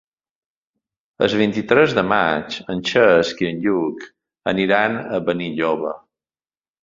El vint-i-tres de maig en Cesc i en Lluc aniran a Benilloba.